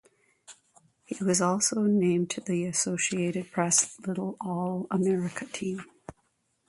He was also named to the Associated Press "Little All-America" team.